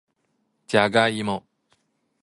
じゃがいも